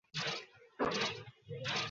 আল্লাহ্ তাঁর দৃষ্টিশক্তি ফিরিয়ে দেন।